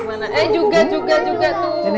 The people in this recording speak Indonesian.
eh juga juga tuh